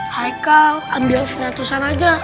haikal ambil sembilan ratus an aja